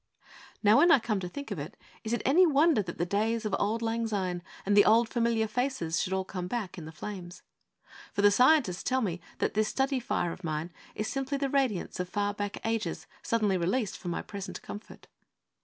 Now, when I come to think of it, is it any wonder that the days of auld lang syne, and the old familiar faces, should all come back in the flames? For the scientists tell me that this study fire of mine is simply the radiance of far back ages suddenly released for my present comfort.